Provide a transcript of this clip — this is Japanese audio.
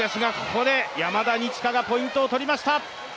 ここで山田二千華がポイントを取りました。